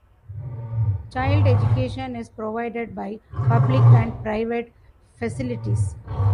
Child education is provided by public and private facilities.